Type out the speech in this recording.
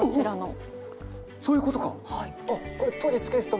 おっそういうことか！